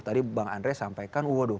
tadi bang andre sampaikan waduh